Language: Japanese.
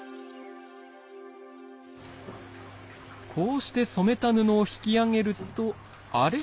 こうして染めた布を引き上げるとあれ？